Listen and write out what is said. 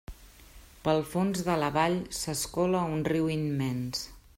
Pel fons de la vall s'escola un riu immens.